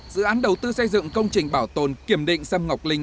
dự án đầu tư xây dựng công trình bảo tồn kiểm định sâm ngọc linh